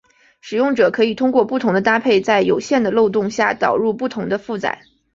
使用者可以通过不同的搭配在有限的漏洞下导入不同的负载。